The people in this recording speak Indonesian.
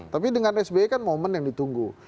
tapi dengan sby kan momen yang ditunggu